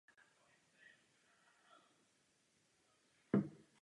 Díky tomu mají mít údajně pěstitelé dříve úrodu.